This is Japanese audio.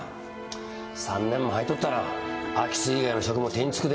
３年も入っとったら空き巣以外の職も手につくで？